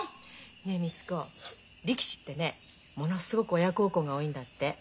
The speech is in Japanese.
ねえみつ子力士ってねものすごく親孝行が多いんだって。